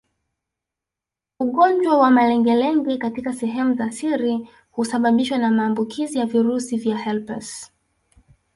Ugonjwa wa malengelenge katika sehemu za siri husababishwa na maambukizi ya virusi vya herpes